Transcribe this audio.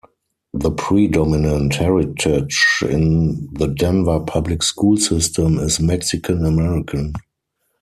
The predominant heritage in the Denver Public School system is Mexican American.